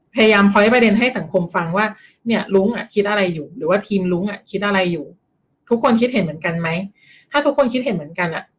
ประหลาดประเด็นให้สังคมแ่งปฏิกิริเวณอีกครั้ง